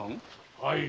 はい。